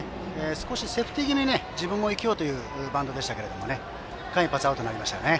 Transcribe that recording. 少しセーフティー気味に自分も生きようというバントでしたが間一髪、アウトになりましたよね。